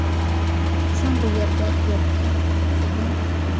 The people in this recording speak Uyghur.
بىزنىڭ بۇ يەردە يەر كەڭرى تۇرۇپتىغۇ...